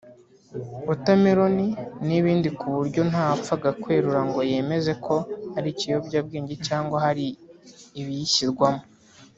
Watermelon n’ibindi ku buryo nta wapfaga kwerura ngo yemeze ko ari ikiyobyabwenge cyangwa hari ibiyishyirwamo